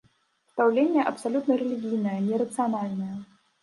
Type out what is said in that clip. Стаўленне абсалютна рэлігійнае, не рацыянальнае!